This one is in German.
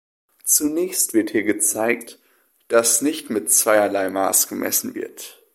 Zunächst wird hier gezeigt, dass nicht mit zweierlei Maß gemessen wird.